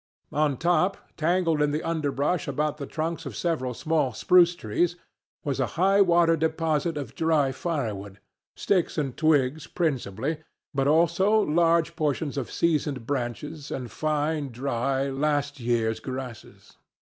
On top, tangled in the underbrush about the trunks of several small spruce trees, was a high water deposit of dry firewood—sticks and twigs principally, but also larger portions of seasoned branches and fine, dry, last year's grasses.